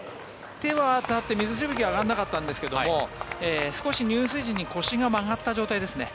手が上がって水しぶきは上がらなかったんですが少し入水時に腰が曲がった状態ですね。